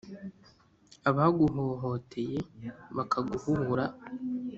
abaguhohoteye bakaguhuhura